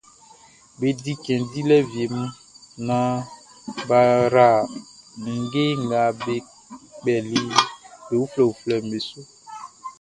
Be di cɛn dilɛ wie mun naan bʼa yra ninnge nga be kpɛli be uflɛuflɛʼn be su.